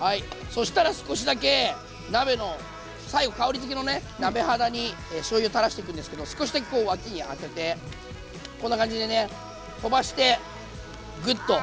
そしたら少しだけ鍋の最後香りづけのね鍋肌にしょうゆ垂らしていくんですけど少しだけこう脇に当ててこんな感じでね飛ばしてグッと。